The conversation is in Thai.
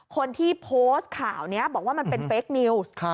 คนที่โพสต์ข่าวนี้บอกว่ามันเป็นเฟคนิวส์